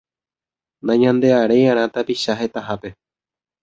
Nañandearéiarã tapicha hetahápe.